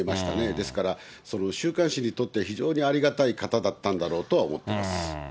ですから、その週刊誌にとって、非常にありがたい方だったんだろうとは思っています。